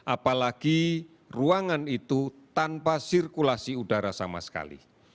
apalagi ruangan itu tanpa sirkulasi udara sama sekali